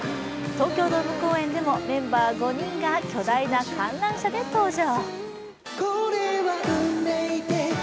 東京ドーム公演でもメンバー５人が巨大な観覧車で登場。